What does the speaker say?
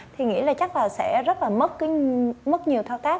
thì nghĩ chắc sẽ rất mất nhiều thao tác